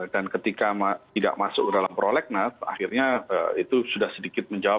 dan ketika tidak masuk ke dalam prolegnas akhirnya itu sudah sedikit menjawab